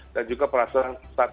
dan juga pasal satu ratus dua puluh dua